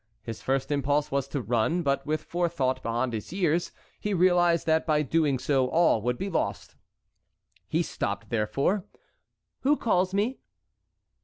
His first impulse was to run, but with forethought beyond his years he realized that by doing so all would be lost. He stopped therefore. "Who calls me?"